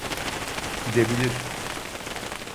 Gidebilir.